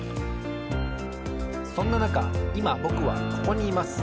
そんななかいまぼくはここにいます。